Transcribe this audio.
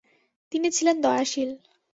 তিনি ছিলেন দয়াশীল।